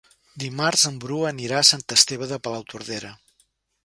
Dimarts en Bru anirà a Sant Esteve de Palautordera.